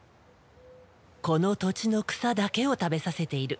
この土地の草だけを食べさせている。